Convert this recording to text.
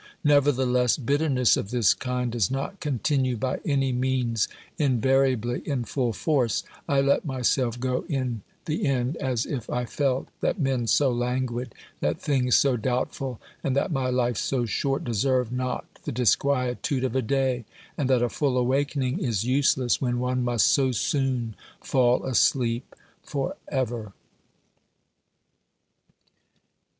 Nevertheless, bitterness of this kind does not continue by any means invariably in full force : I let myself go in the OBERMANN 121 end, as if I felt that men so languid, that things so doubtful and that my life so short deserved not the dis quietude of a day, and that a full awakening is useless when one must so soon fall asleep for ever.